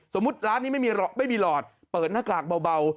ร้านนี้ไม่มีหลอดเปิดหน้ากากเบา